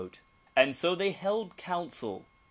And so they held council.